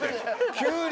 急に。